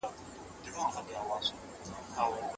په نړیوالو نندارتونونو کې ګډن کوي.